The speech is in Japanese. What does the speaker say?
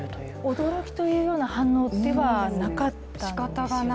驚きというような反応ではなかったんですよね